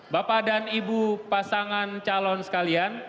bapak dan ibu pasangan calon sekalian